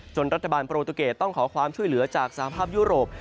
รัฐบาลโปรตูเกตต้องขอความช่วยเหลือจากสหภาพยุโรป